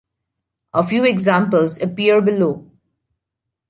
A few examples appear below.